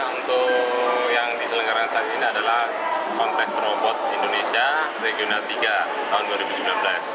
untuk yang diselenggarakan saat ini adalah kontes robot indonesia regional tiga tahun dua ribu sembilan belas